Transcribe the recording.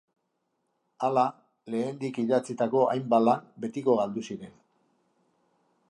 Hala, lehendik idatzitako hainbat lan betiko galdu ziren.